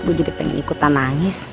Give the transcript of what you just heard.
gue jadi pengen ikutan nangis